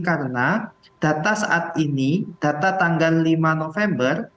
karena data saat ini data tanggal lima november